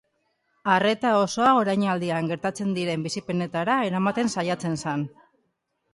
Arreta osoa orainaldian gertatzen diren bizipenetara eramaten saiatzen zen.